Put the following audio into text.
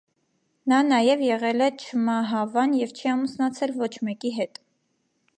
Նա նաև եղել է չմահավան և չի ամուսնացել ոչ մեկի հետ։